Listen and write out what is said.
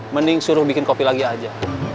mending suruh bikin kopi lagi aja